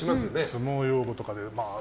相撲用語とかで。